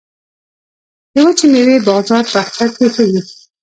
د وچې میوې بازار په اختر کې ښه وي